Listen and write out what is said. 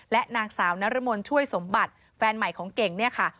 และนางสาวนรมนช่วยสมบัติแฟนใหม่ของเก่งเนี่ยค่ะ